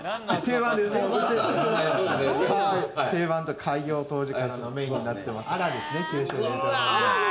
開業当時からのメインになっております。